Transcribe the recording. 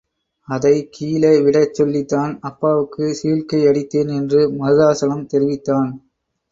அதைக் கீழே விடச் சொல்லித்தான் அப்பாவுக்குச் சீழ்க்கையடித்தேன் என்று மருதாசலம் தெரிவித்தான்.